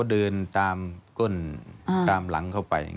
เดินตามก้นตามหลังเข้าไป